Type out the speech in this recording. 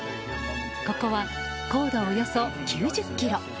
ここは高度およそ９０ｋｍ。